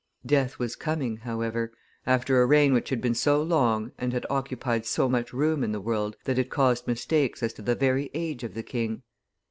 Death was coming, however, after a reign which had been so long and had occupied so much room in the world that it caused mistakes as to the very age of the king.